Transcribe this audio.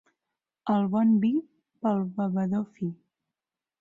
El bon vi pel bevedor fi.